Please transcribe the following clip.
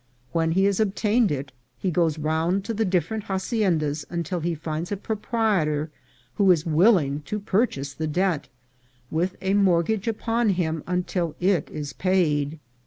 When he has obtained it, he goes round to the different haciendas until he finds a proprietor who is willing to purchase the debt, with a mortgage upon him until it is paid.